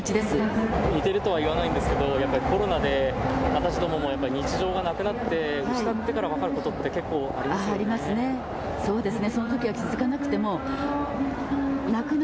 似てるとは言わないですがコロナで私どもも日常がなくなって失ってから分かることってたくさんありますね。